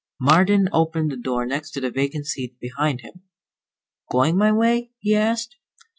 Marden opened the door next to the vacant seat beside him. "Going my way?" he asked.